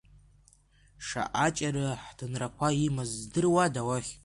Шаҟаџьара аҳҭынрақәа имаз здыруада уахь.